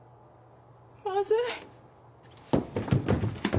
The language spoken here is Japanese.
まずい。